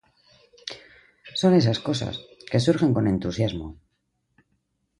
Son esas cosas, que surgen con entusiasmo.